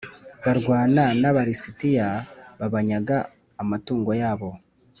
Barwana n aba lisitiya babanyaga amatungo yabo